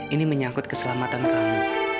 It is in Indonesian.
ini menyangkut keselamatan kamu